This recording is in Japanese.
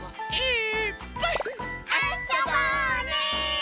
え？